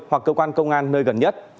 hoặc cơ quan công an nơi gần nhất